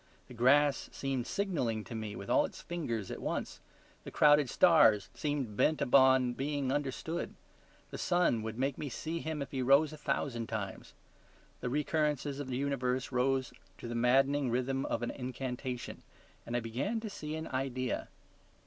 The grass seemed signalling to me with all its fingers at once; the crowded stars seemed bent upon being understood. The sun would make me see him if he rose a thousand times. The recurrences of the universe rose to the maddening rhythm of an incantation, and I began to see an idea.